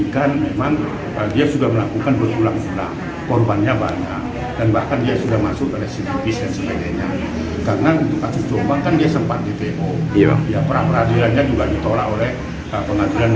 kisah kisah yang terjadi di indonesia